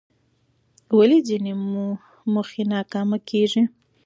ولې ځینې موخې ناکامه کېږي؟